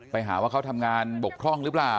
ไปหาว่าเขาทำงานบกพร่องหรือเปล่า